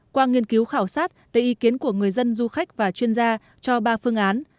qua nghiên cứu khảo sát tự ý kiến của người dân du khách và chuyên gia cho ba phương án